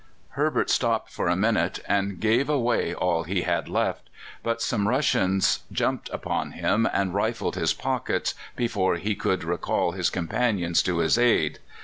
Herbert stopped for a minute, and gave away all he had left; but some Russians jumped upon him and rifled his pockets, before he could recall his companions to his aid.